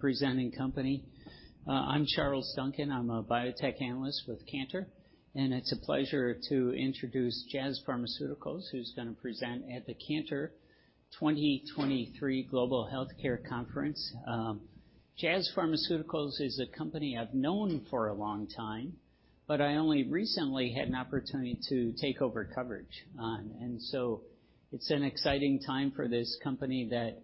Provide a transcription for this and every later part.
Presenting company. I'm Charles Duncan. I'm a Biotech Analyst with Cantor, and it's a pleasure to introduce Jazz Pharmaceuticals, who's going to present at the Cantor 2023 Global Healthcare Conference. Jazz Pharmaceuticals is a company I've known for a long time, but I only recently had an opportunity to take over coverage, and so it's an exciting time for this company that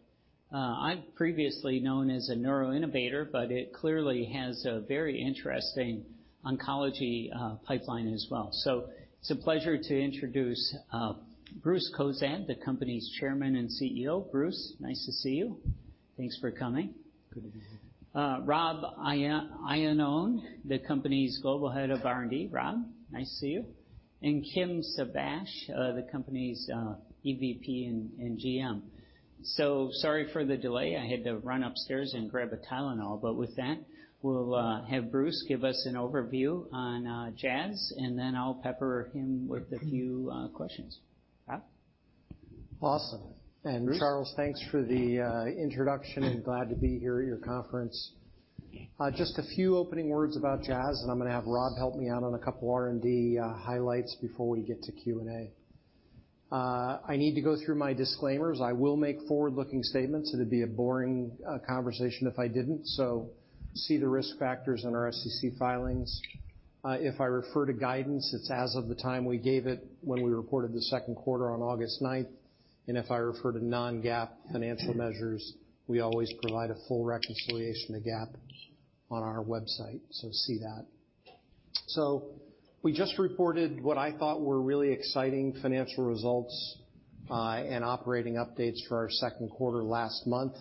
I've previously known as a neuroinnovator, but it clearly has a very interesting oncology pipeline as well, so it's a pleasure to introduce Bruce Cozadd, the company's Chairman and CEO. Bruce, nice to see you. Thanks for coming. Good to be here. Rob Iannone, the company's global head of R&D. Rob, nice to see you. And Kim Sablich, the company's EVP and GM. So sorry for the delay. I had to run upstairs and grab a Tylenol. But with that, we'll have Bruce give us an overview on Jazz, and then I'll pepper him with a few questions. Awesome. Charles, thanks for the introduction. I'm glad to be here at your conference. Just a few opening words about Jazz, and I'm going to have Rob help me out on a couple of R&D highlights before we get to Q&A. I need to go through my disclaimers. I will make forward-looking statements. It'd be a boring conversation if I didn't. So see the risk factors in our SEC filings. If I refer to guidance, it's as of the time we gave it when we reported the second quarter on August 9th. And if I refer to non-GAAP financial measures, we always provide a full reconciliation to GAAP on our website. So see that. So we just reported what I thought were really exciting financial results and operating updates for our second quarter last month,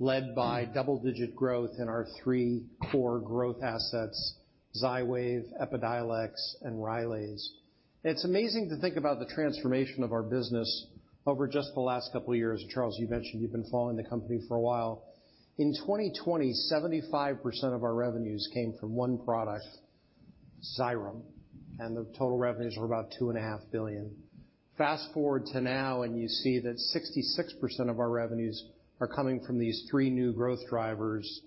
led by double-digit growth in our three core growth assets: Xywav, Epidiolex, and Rylaze. It's amazing to think about the transformation of our business over just the last couple of years. And Charles, you mentioned you've been following the company for a while. In 2020, 75% of our revenues came from one product, Xyrem, and the total revenues were about $2.5 billion. Fast forward to now, and you see that 66% of our revenues are coming from these three new growth drivers: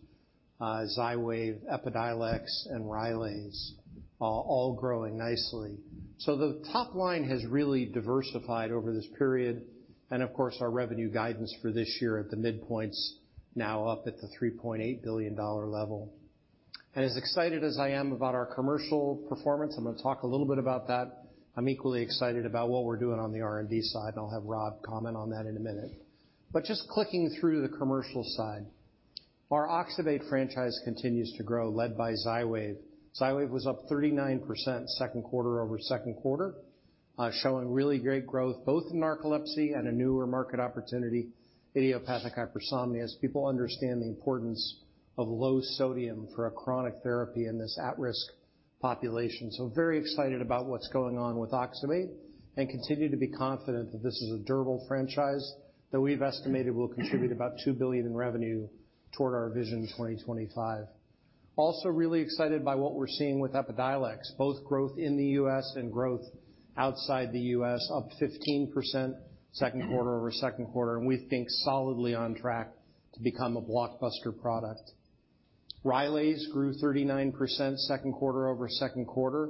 Xywav, Epidiolex, and Rylaze, all growing nicely. So the top line has really diversified over this period. And of course, our revenue guidance for this year at the midpoints now up at the $3.8 billion level. And as excited as I am about our commercial performance, I'm going to talk a little bit about that. I'm equally excited about what we're doing on the R&D side. I'll have Rob comment on that in a minute. But just clicking through the commercial side, our Oxybate franchise continues to grow, led by Xywav. Xywav was up 39% second quarter over second quarter, showing really great growth, both in narcolepsy and a newer market opportunity: idiopathic hypersomnia. People understand the importance of low sodium for a chronic therapy in this at-risk population. So very excited about what's going on with Oxybate and continue to be confident that this is a durable franchise that we've estimated will contribute about $2 billion in revenue toward our vision in 2025. Also really excited by what we're seeing with Epidiolex, both growth in the U.S. and growth outside the U.S., up 15% second quarter over second quarter, and we think solidly on track to become a blockbuster product. Rylaze grew 39% second quarter over second quarter,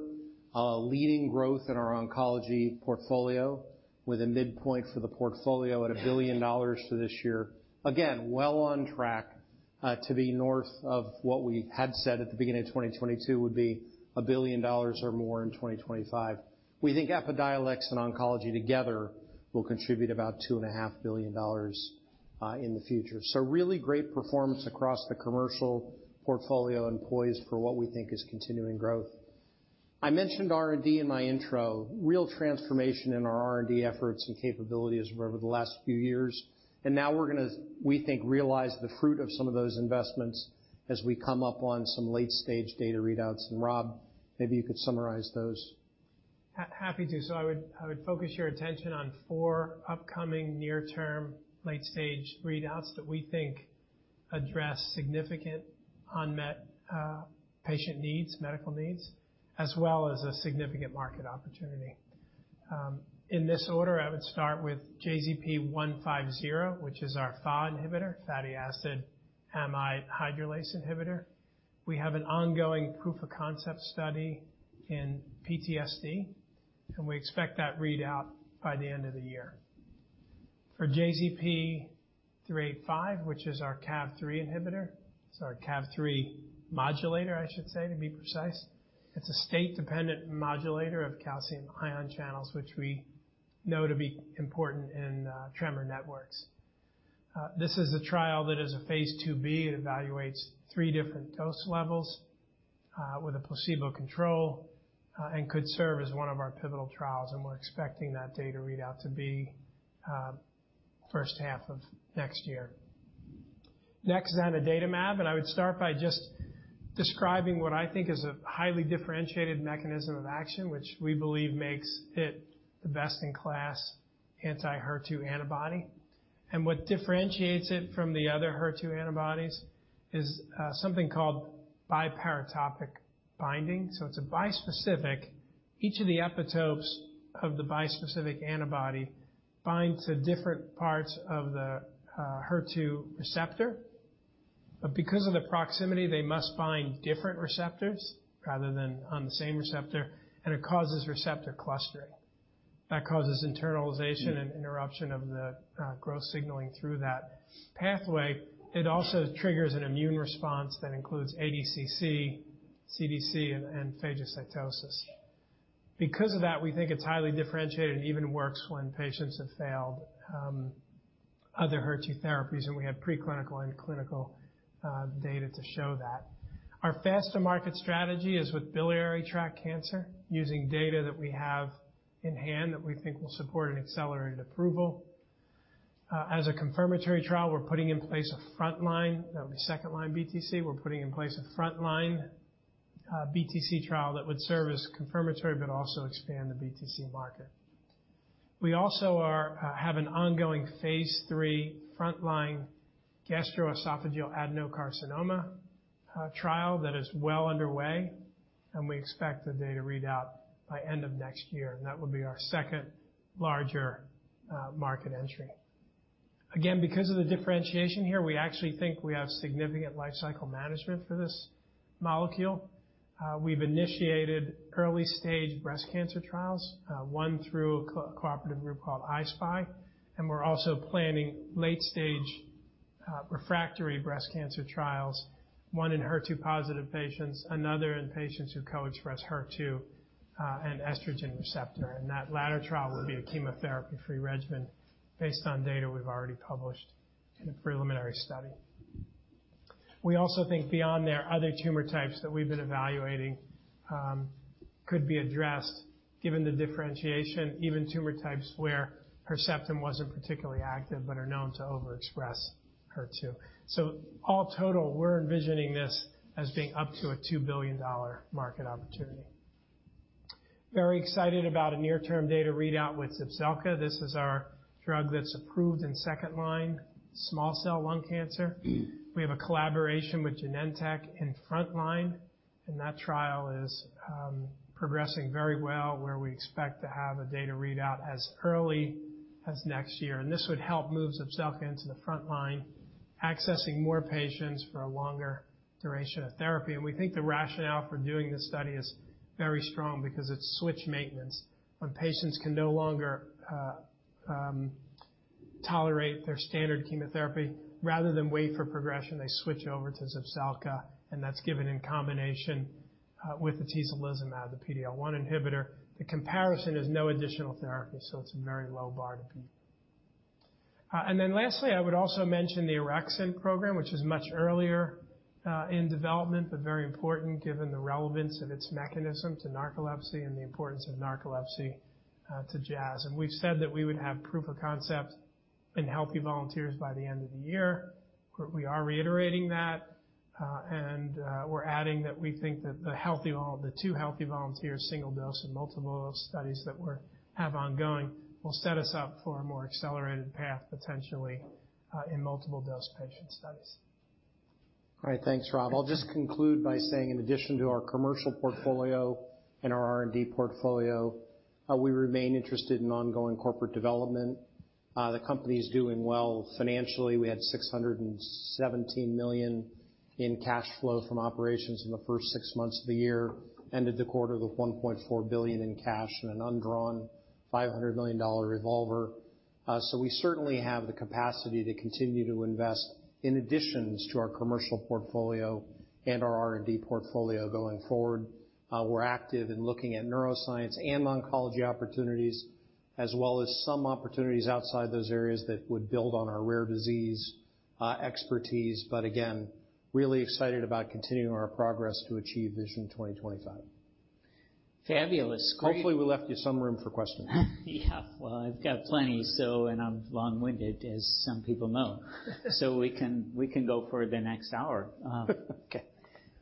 leading growth in our oncology portfolio with a midpoint for the portfolio at $1 billion for this year. Again, well on track to be north of what we had said at the beginning of 2022 would be $1 billion or more in 2025. We think Epidiolex and oncology together will contribute about $2.5 billion in the future. So really great performance across the commercial portfolio and poised for what we think is continuing growth. I mentioned R&D in my intro, real transformation in our R&D efforts and capabilities over the last few years. And now we're going to, we think, realize the fruit of some of those investments as we come up on some late-stage data readouts. And Rob, maybe you could summarize those. Happy to. So I would focus your attention on four upcoming near-term late-stage readouts that we think address significant unmet patient needs, medical needs, as well as a significant market opportunity. In this order, I would start with JZP150, which is our FAAH inhibitor, fatty acid amide hydrolase inhibitor. We have an ongoing proof of concept study in PTSD, and we expect that readout by the end of the year. For JZP385, which is our Cav3 inhibitor, it's our Cav3 modulator, I should say, to be precise. It's a state-dependent modulator of calcium ion channels, which we know to be important in tremor networks. This is a trial that is a phase IIb. It evaluates three different dose levels with a placebo control and could serve as one of our pivotal trials. We're expecting that data readout to be first half of next year. Next on Zanidatamab, and I would start by just describing what I think is a highly differentiated mechanism of action, which we believe makes it the best in class anti-HER2 antibody. And what differentiates it from the other HER2 antibodies is something called biparatopic binding. So it's a bispecific. Each of the epitopes of the bispecific antibody binds to different parts of the HER2 receptor. But because of the proximity, they must bind different receptors rather than on the same receptor, and it causes receptor clustering. That causes internalization and interruption of the growth signaling through that pathway. It also triggers an immune response that includes ADCC, CDC, and phagocytosis. Because of that, we think it's highly differentiated and even works when patients have failed other HER2 therapies, and we have preclinical and clinical data to show that. Our fast-to-market strategy is with biliary tract cancer, using data that we have in hand that we think will support an accelerated approval. As a confirmatory trial, we're putting in place a frontline. That would be second-line BTC. We're putting in place a frontline BTC trial that would serve as confirmatory but also expand the BTC market. We also have an ongoing phase 3 frontline gastroesophageal adenocarcinoma trial that is well underway, and we expect the data readout by end of next year, and that would be our second larger market entry. Again, because of the differentiation here, we actually think we have significant life cycle management for this molecule. We've initiated early-stage breast cancer trials, one through a cooperative group called I-SPY, and we're also planning late-stage refractory breast cancer trials, one in HER2-positive patients, another in patients who co-express HER2 and estrogen receptor. That latter trial will be a chemotherapy-free regimen based on data we've already published in a preliminary study. We also think beyond there, other tumor types that we've been evaluating could be addressed, given the differentiation, even tumor types where Herceptin wasn't particularly active but are known to overexpress HER2. So all total, we're envisioning this as being up to a $2 billion market opportunity. We're very excited about a near-term data readout with Zepzelca. This is our drug that's approved in second-line small cell lung cancer. We have a collaboration with Genentech in frontline, and that trial is progressing very well, where we expect to have a data readout as early as next year. This would help move Zepzelca into the frontline, accessing more patients for a longer duration of therapy. We think the rationale for doing this study is very strong because it's switch maintenance. When patients can no longer tolerate their standard chemotherapy, rather than wait for progression, they switch over to Zipzelca, and that's given in combination with Atezolizumab, the PD-L1 inhibitor. The comparison is no additional therapy, so it's a very low bar to beat. Then lastly, I would also mention the orexin program, which is much earlier in development but very important given the relevance of its mechanism to narcolepsy and the importance of narcolepsy to Jazz. We've said that we would have proof of concept in healthy volunteers by the end of the year. We are reiterating that, and we're adding that we think that the two healthy volunteers, single dose and multiple dose studies that we have ongoing, will set us up for a more accelerated path potentially in multiple dose patient studies. All right, thanks, Rob. I'll just conclude by saying, in addition to our commercial portfolio and our R&D portfolio, we remain interested in ongoing corporate development. The company's doing well financially. We had $617 million in cash flow from operations in the first six months of the year, ended the quarter with $1.4 billion in cash and an undrawn $500 million revolver. So we certainly have the capacity to continue to invest in additions to our commercial portfolio and our R&D portfolio going forward. We're active in looking at neuroscience and oncology opportunities, as well as some opportunities outside those areas that would build on our rare disease expertise. But again, really excited about continuing our progress to achieve Vision 2025. Fabulous. Hopefully, we left you some room for questions. Yeah, well, I've got plenty, and I'm long-winded, as some people know. So we can go for the next hour.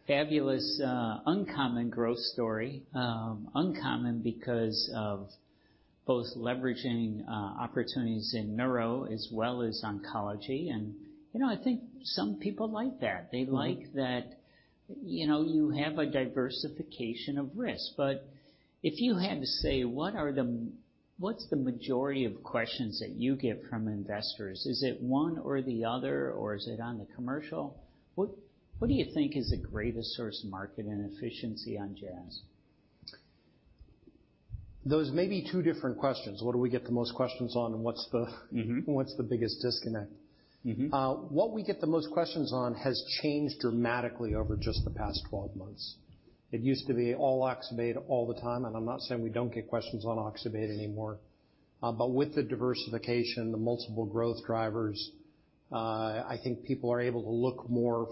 Fabulous. Uncommon growth story. Uncommon because of both leveraging opportunities in neuro as well as oncology. And I think some people like that. They like that you have a diversification of risk. But if you had to say, what's the majority of questions that you get from investors? Is it one or the other, or is it on the commercial? What do you think is the greatest source of market and efficiency on Jazz? Those may be two different questions. What do we get the most questions on, and what's the biggest disconnect? What we get the most questions on has changed dramatically over just the past 12 months. It used to be all Oxybate all the time, and I'm not saying we don't get questions on Oxybate anymore. But with the diversification, the multiple growth drivers, I think people are able to look more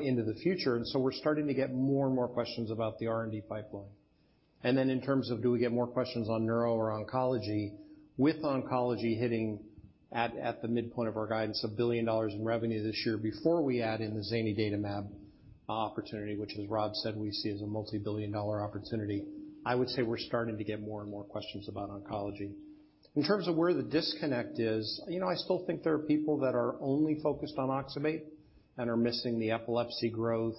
into the future. And so we're starting to get more and more questions about the R&D pipeline. And then in terms of do we get more questions on neuro or oncology, with oncology hitting at the midpoint of our guidance of $1 billion in revenue this year before we add in the Zanidatamab opportunity, which, as Rob said, we see as a multi-billion-dollar opportunity, I would say we're starting to get more and more questions about oncology. In terms of where the disconnect is, I still think there are people that are only focused on Oxybate and are missing the epilepsy growth,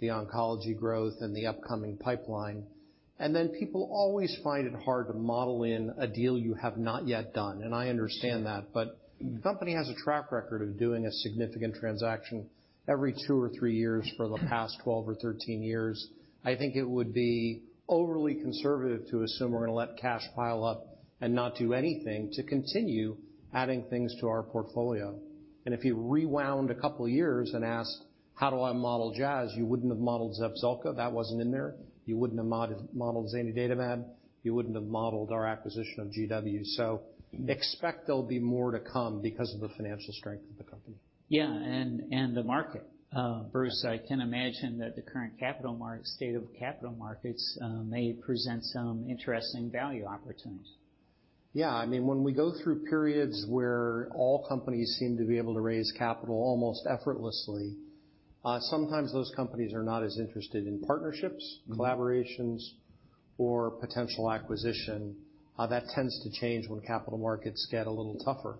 the oncology growth, and the upcoming pipeline. And then people always find it hard to model in a deal you have not yet done. And I understand that, but the company has a track record of doing a significant transaction every two or three years for the past 12 or 13 years. I think it would be overly conservative to assume we're going to let cash pile up and not do anything to continue adding things to our portfolio. If you rewound a couple of years and asked, how do I model Jazz? You wouldn't have modeled Zepzelca. That wasn't in there. You wouldn't have modeled Zanidatamab. You wouldn't have modeled our acquisition of GW. Expect there'll be more to come because of the financial strength of the company. Yeah, and the market. Bruce, I can imagine that the current state of capital markets may present some interesting value opportunities. Yeah, I mean, when we go through periods where all companies seem to be able to raise capital almost effortlessly, sometimes those companies are not as interested in partnerships, collaborations, or potential acquisition. That tends to change when capital markets get a little tougher.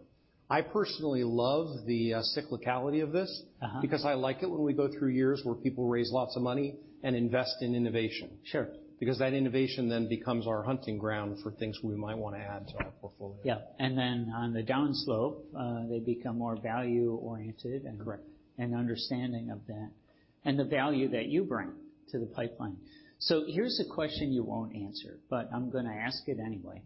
I personally love the cyclicality of this because I like it when we go through years where people raise lots of money and invest in innovation. Because that innovation then becomes our hunting ground for things we might want to add to our portfolio. Yeah, and then on the downslope, they become more value-oriented and understanding of that and the value that you bring to the pipeline. So here's a question you won't answer, but I'm going to ask it anyway.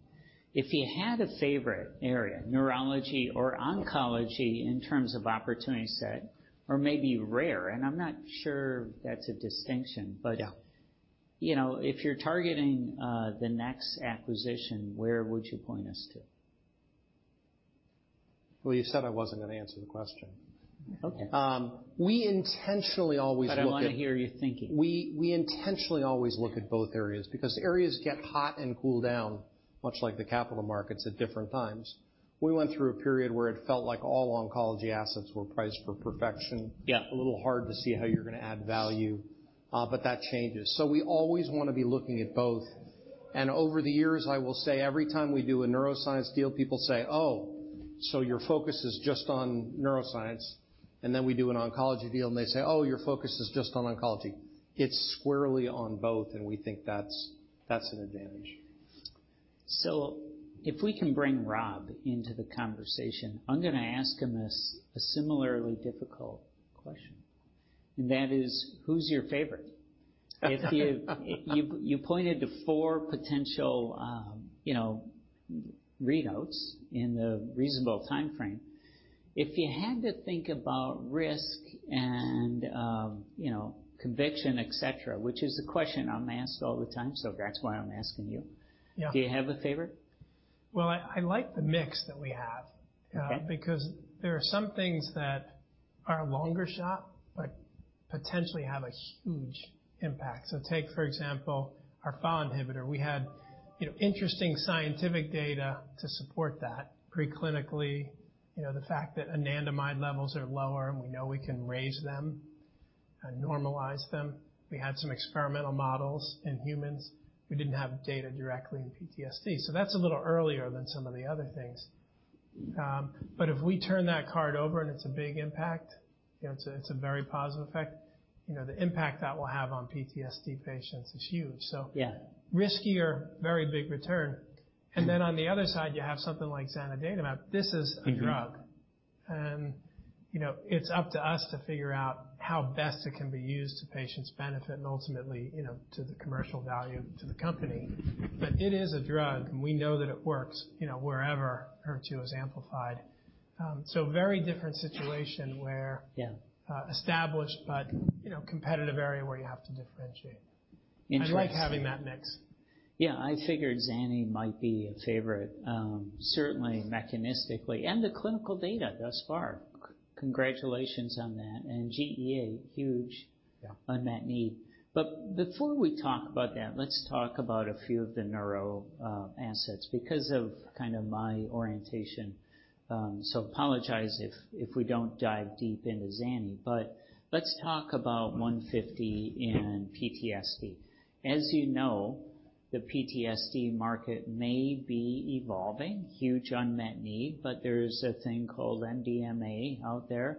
If you had a favorite area, neurology or oncology in terms of opportunity set, or maybe rare, and I'm not sure that's a distinction, but if you're targeting the next acquisition, where would you point us to? You said I wasn't going to answer the question. Okay. We intentionally always look at. I don't want to hear you thinking. We intentionally always look at both areas because areas get hot and cool down, much like the capital markets at different times. We went through a period where it felt like all oncology assets were priced for perfection. A little hard to see how you're going to add value, but that changes, so we always want to be looking at both, and over the years, I will say, every time we do a neuroscience deal, people say, "Oh, so your focus is just on neuroscience," and then we do an oncology deal, and they say, "Oh, your focus is just on oncology." It's squarely on both, and we think that's an advantage. So if we can bring Rob into the conversation, I'm going to ask him a similarly difficult question. And that is, who's your favorite? You pointed to four potential readouts in the reasonable time frame. If you had to think about risk and conviction, etc., which is a question I'm asked all the time, so that's why I'm asking you, do you have a favorite? I like the mix that we have because there are some things that are longer shot but potentially have a huge impact. So take, for example, our FAAH inhibitor. We had interesting scientific data to support that. Preclinically, the fact that anandamide levels are lower and we know we can raise them and normalize them. We had some experimental models in humans. We didn't have data directly in PTSD. So that's a little earlier than some of the other things. But if we turn that card over and it's a big impact, it's a very positive effect. The impact that will have on PTSD patients is huge. So riskier, very big return. And then on the other side, you have something like Zanidatamab. This is a drug. And it's up to us to figure out how best it can be used to patients' benefit and ultimately to the commercial value to the company. But it is a drug, and we know that it works wherever HER2 is amplified. So very different situation where established but competitive area where you have to differentiate. I like having that mix. Yeah, I figured Zani might be a favorite, certainly mechanistically, and the clinical data thus far. Congratulations on that, and GEA, huge unmet need. But before we talk about that, let's talk about a few of the neuro assets because of kind of my orientation, so apologize if we don't dive deep into Zani, but let's talk about 150 and PTSD. As you know, the PTSD market may be evolving, huge unmet need, but there's a thing called MDMA out there.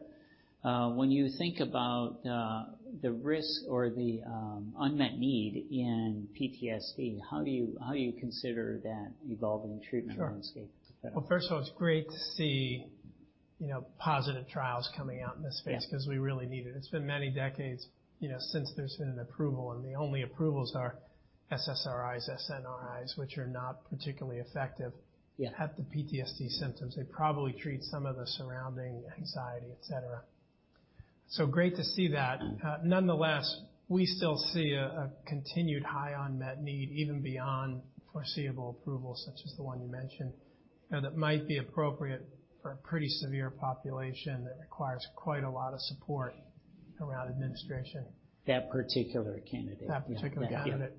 When you think about the risk or the unmet need in PTSD, how do you consider that evolving treatment landscape? First of all, it's great to see positive trials coming out in this space because we really need it. It's been many decades since there's been an approval, and the only approvals are SSRIs, SNRIs, which are not particularly effective at the PTSD symptoms. They probably treat some of the surrounding anxiety, etc. Great to see that. Nonetheless, we still see a continued high unmet need even beyond foreseeable approvals, such as the one you mentioned, that might be appropriate for a pretty severe population that requires quite a lot of support around administration. That particular candidate. That particular candidate.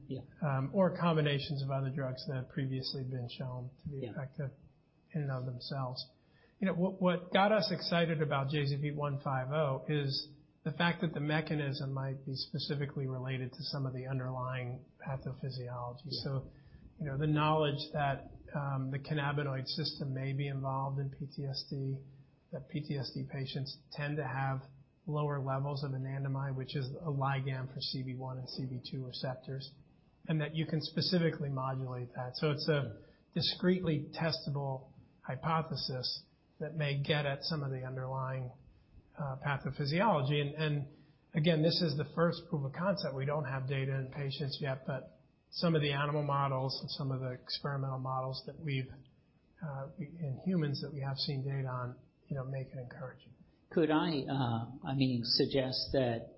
Or combinations of other drugs that have previously been shown to be effective in and of themselves. What got us excited about JZP150 is the fact that the mechanism might be specifically related to some of the underlying pathophysiology. So the knowledge that the cannabinoid system may be involved in PTSD, that PTSD patients tend to have lower levels of anandamide, which is a ligand for CB1 and CB2 receptors, and that you can specifically modulate that. So it's a discrete testable hypothesis that may get at some of the underlying pathophysiology. And again, this is the first proof of concept. We don't have data in patients yet, but some of the animal models and some of the experimental models that we have in humans that we have seen data on make it encouraging. Could I, I mean, suggest that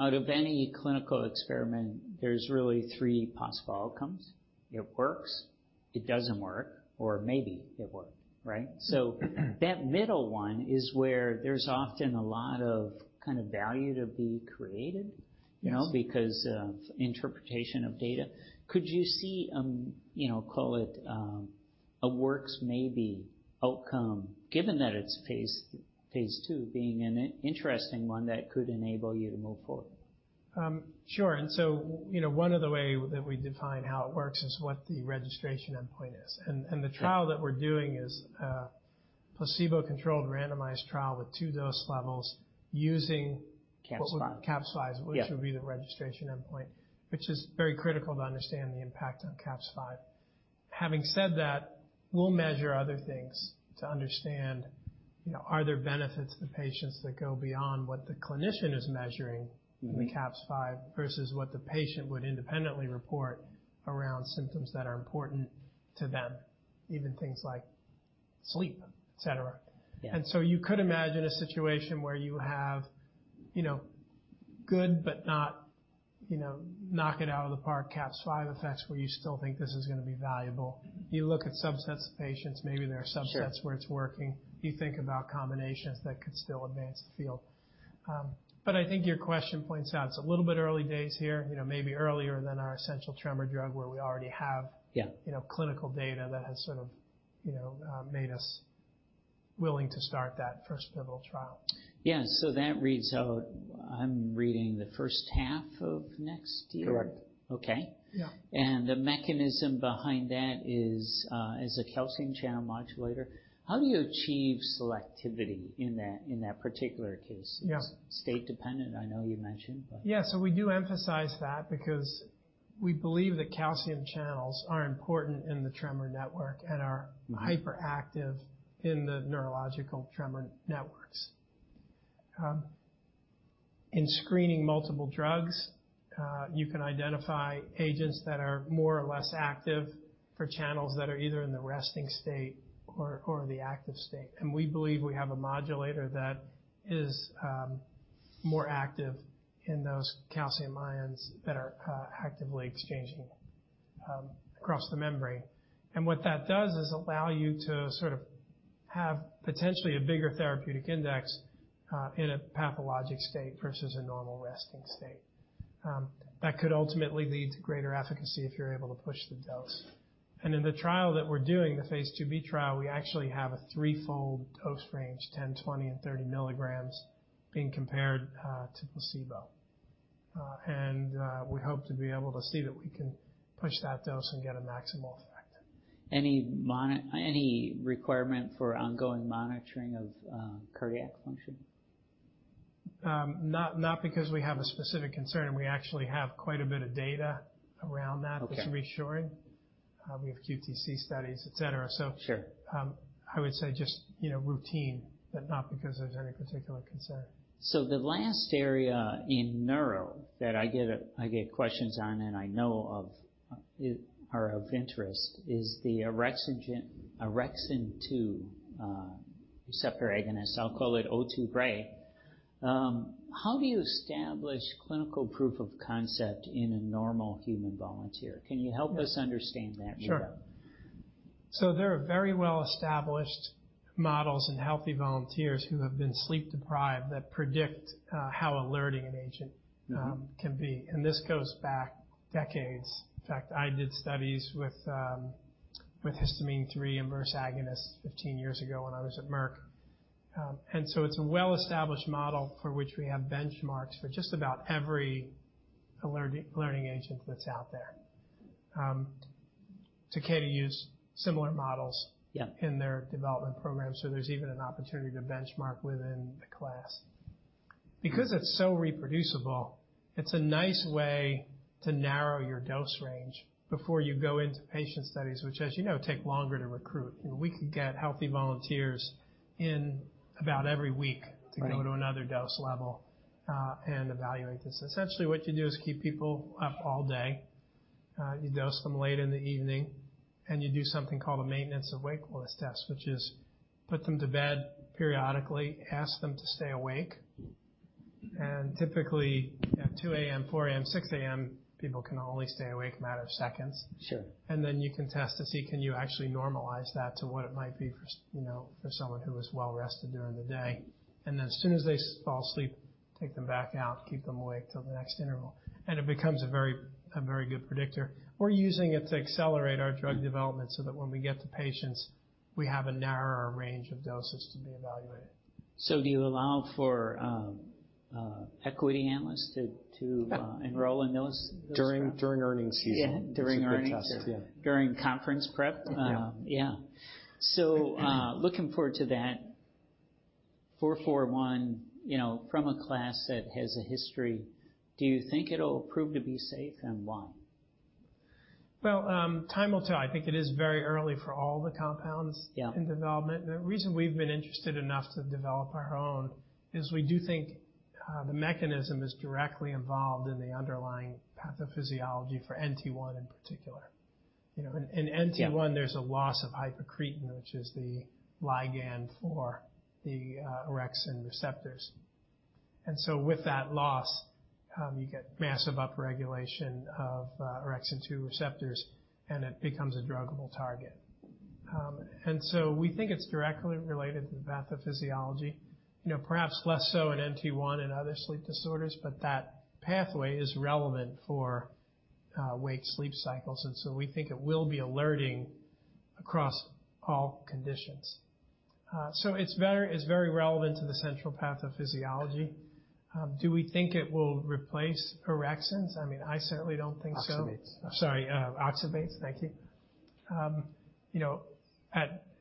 out of any clinical experiment, there's really three possible outcomes? It works, it doesn't work, or maybe it worked, right? So that middle one is where there's often a lot of kind of value to be created because of interpretation of data. Could you see a, call it a works maybe outcome, given that it's phase two being an interesting one that could enable you to move forward? Sure. And so one of the ways that we define how it works is what the registration endpoint is. And the trial that we're doing is a placebo-controlled randomized trial with two dose levels using CAPS-5, which would be the registration endpoint, which is very critical to understand the impact on CAPS-5. Having said that, we'll measure other things to understand, are there benefits to the patients that go beyond what the clinician is measuring in the CAPS-5 versus what the patient would independently report around symptoms that are important to them, even things like sleep, etc. And so you could imagine a situation where you have good but not knock it out of the park CAPS-5 effects where you still think this is going to be valuable. You look at subsets of patients, maybe there are subsets where it's working. You think about combinations that could still advance the field, but I think your question points out it's a little bit early days here, maybe earlier than our essential tremor drug where we already have clinical data that has sort of made us willing to start that first pivotal trial. Yeah, so that reads out. I'm reading the first half of next year. Correct. Okay. Yeah. And the mechanism behind that is a calcium channel modulator. How do you achieve selectivity in that particular case? It's state dependent, I know you mentioned, but. Yeah, so we do emphasize that because we believe that calcium channels are important in the tremor network and are hyperactive in the neurological tremor networks. In screening multiple drugs, you can identify agents that are more or less active for channels that are either in the resting state or the active state. And we believe we have a modulator that is more active in those calcium ions that are actively exchanging across the membrane. And what that does is allow you to sort of have potentially a bigger therapeutic index in a pathologic state versus a normal resting state. That could ultimately lead to greater efficacy if you're able to push the dose. And in the trial that we're doing, the phase IIb trial, we actually have a threefold dose range, 10, 20, and 30 milligrams being compared to placebo. We hope to be able to see that we can push that dose and get a maximal effect. Any requirement for ongoing monitoring of cardiac function? Not because we have a specific concern. We actually have quite a bit of data around that to reassure. We have QTc studies, etc. So I would say just routine, but not because there's any particular concern. The last area in neuro that I get questions on and I know of are of interest is the Orexin-2 receptor agonist. I'll call it O2 brain. How do you establish clinical proof of concept in a normal human volunteer? Can you help us understand that more? Sure. So there are very well-established models in healthy volunteers who have been sleep deprived that predict how alerting an agent can be. And this goes back decades. In fact, I did studies with histamine-3 inverse agonist 15 years ago when I was at Merck. And so it's a well-established model for which we have benchmarks for just about every alerting agent that's out there. Takeda used similar models in their development program, so there's even an opportunity to benchmark within the class. Because it's so reproducible, it's a nice way to narrow your dose range before you go into patient studies, which, as you know, take longer to recruit. We could get healthy volunteers in about every week to go to another dose level and evaluate this. Essentially, what you do is keep people up all day. You dose them late in the evening, and you do something called a Maintenance of Wakefulness Test, which is put them to bed periodically, ask them to stay awake, and typically, at 2:00 A.M., 4:00 A.M., 6:00 A.M., people can only stay awake a matter of seconds. And then you can test to see, can you actually normalize that to what it might be for someone who is well-rested during the day. And then as soon as they fall asleep, take them back out, keep them awake till the next interval. And it becomes a very good predictor. We're using it to accelerate our drug development so that when we get to patients, we have a narrower range of doses to be evaluated. Do you allow for equity analysts to enroll in those? During earnings season. During earnings season. During conference prep. Yeah. So looking forward to that, 441, from a class that has a history, do you think it'll prove to be safe and why? Well, time will tell. I think it is very early for all the compounds in development. And the reason we've been interested enough to develop our own is we do think the mechanism is directly involved in the underlying pathophysiology for NT1 in particular. In NT1, there's a loss of hypercretin, which is the ligand for the orexin receptors. And so with that loss, you get massive upregulation of orexin-2 receptors, and it becomes a druggable target. And so we think it's directly related to the pathophysiology. Perhaps less so in NT1 and other sleep disorders, but that pathway is relevant for awake sleep cycles. And so we think it will be alerting across all conditions. So it's very relevant to the central pathophysiology. Do we think it will replace orexins? I mean, I certainly don't think so. Oxybates. Sorry, oxybates. Thank you.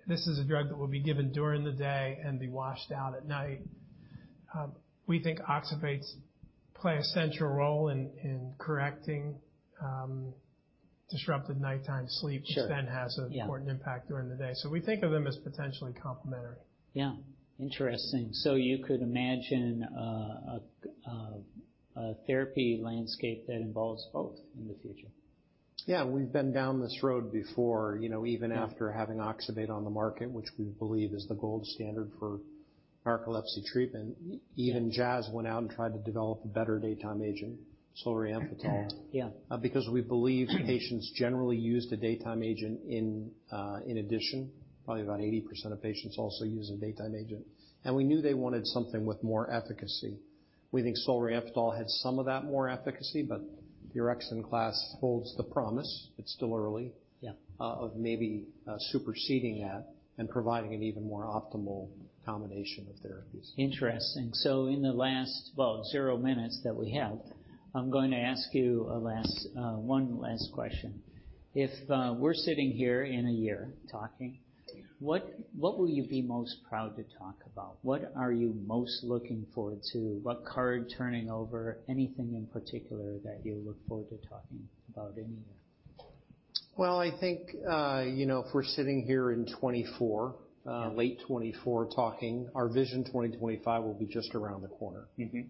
This is a drug that will be given during the day and be washed out at night. We think oxybates play a central role in correcting disrupted nighttime sleep, which then has an important impact during the day. So we think of them as potentially complementary. Yeah. Interesting. So you could imagine a therapy landscape that involves both in the future. Yeah. We've been down this road before, even after having oxybate on the market, which we believe is the gold standard for narcolepsy treatment. Even Jazz went out and tried to develop a better daytime agent, Solriamfetol. Because we believe patients generally use the daytime agent in addition. Probably about 80% of patients also use a daytime agent. And we knew they wanted something with more efficacy. We think Solriamfetol had some of that more efficacy, but the orexin class holds the promise. It's still early on maybe superseding that and providing an even more optimal combination of therapies. Interesting. So in the last, well, zero minutes that we have, I'm going to ask you one last question. If we're sitting here in a year talking, what will you be most proud to talk about? What are you most looking forward to? What card turning over? Anything in particular that you look forward to talking about in a year? I think if we're sitting here in 2024, late 2024 talking, our vision 2025 will be just around the corner.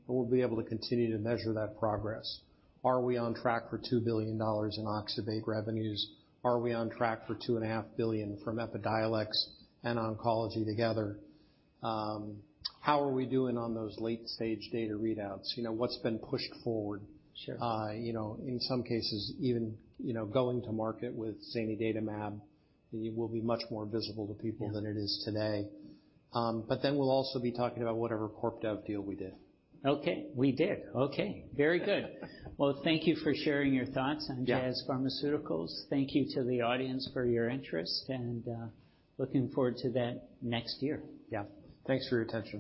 We'll be able to continue to measure that progress. Are we on track for $2 billion in oxybate revenues? Are we on track for $2.5 billion from Epidiolex and oncology together? How are we doing on those late-stage data readouts? What's been pushed forward? In some cases, even going to market with Zanidatamab, it will be much more visible to people than it is today. But then we'll also be talking about whatever CorpDev deal we did. Okay. We did. Okay. Very good. Well, thank you for sharing your thoughts on Jazz Pharmaceuticals. Thank you to the audience for your interest and looking forward to that next year. Yeah. Thanks for your attention.